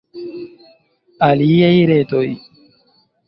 Aliaj retoj.